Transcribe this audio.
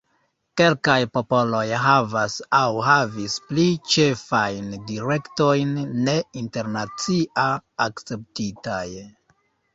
Kelkaj popoloj havas aŭ havis pli ĉefajn direktojn ne internacia akceptitaj.